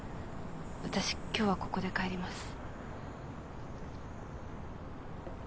私今日はここで帰ります。